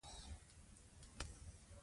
ماشومانو ته مالي روزنه ورکړئ.